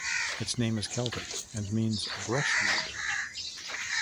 Its name is Celtic and means "brushwood".